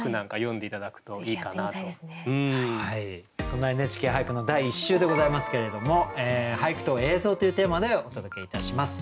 そんな「ＮＨＫ俳句」の第１週でございますけれども「俳句と映像」というテーマでお届けいたします。